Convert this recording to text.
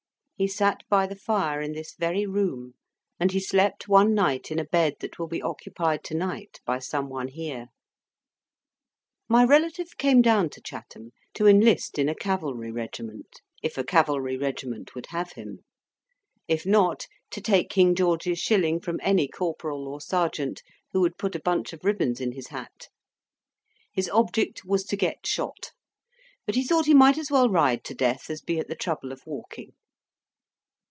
He sat by the fire in this very room, and he slept one night in a bed that will be occupied to night by some one here. My relative came down to Chatham to enlist in a cavalry regiment, if a cavalry regiment would have him; if not, to take King George's shilling from any corporal or sergeant who would put a bunch of ribbons in his hat. His object was to get shot; but he thought he might as well ride to death as be at the trouble of walking.